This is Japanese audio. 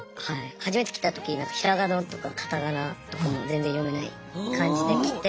初めて来た時ひらがなとかカタカナとかも全然読めない感じで来て。